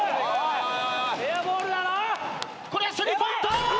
これはスリーポイント！